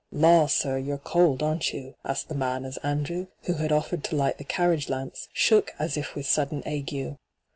' Taw, sir, you're cold, aren't you V asked the man, as Andrew, who had offered to light the carriage lamps, shook as if with sudden ague.